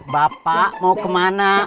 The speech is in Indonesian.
bapak mau kemana